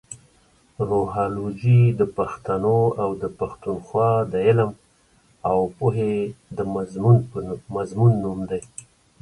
روهالوجي د پښتنو اٶ د پښتونخوا د علم اٶ پوهې د مضمون نوم دې.